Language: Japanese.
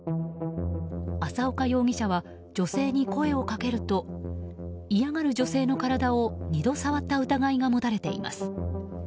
浅岡容疑者は女性に声をかけると嫌がる女性の体を２度、触った疑いが持たれています。